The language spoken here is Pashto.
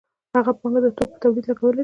هغه پانګه د توکو په تولید لګولې ده